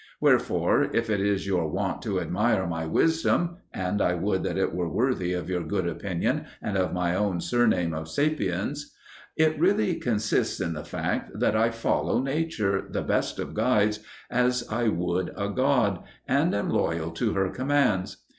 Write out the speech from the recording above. Wherefore, if it is your wont to admire my wisdom and I would that it were worthy of your good opinion and of my own surname of Sapiens it really consists in the fact that I follow Nature, the best of guides, as I would a god, and am loyal to her commands.